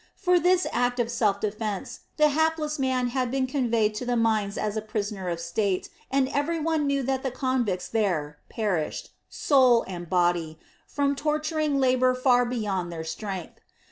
For this act of self defence the hapless man had been conveyed to the mines as a prisoner of state, and every one knew that the convicts there perished, soul and body, from torturing labor far beyond their strength.